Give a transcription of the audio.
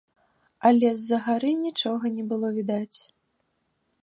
Але з-за гары нічога не было відаць.